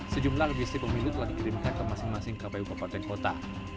sejumlah logistik pemilu telah dikirimkan ke masing masing kpu kabupaten kota